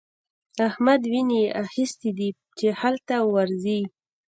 احمد ويني اخيستی دی چې هلته ورځي.